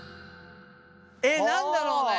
えっ何だろうね。